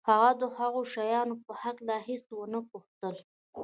هغه د هغو شیانو په هکله هېڅ ونه پوښتل